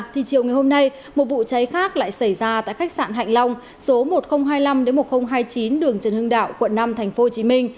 thì chiều ngày hôm nay một vụ cháy khác lại xảy ra tại khách sạn hạnh long số một nghìn hai mươi năm một nghìn hai mươi chín đường trần hưng đạo quận năm tp hcm